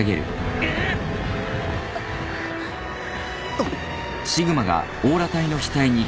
あっ！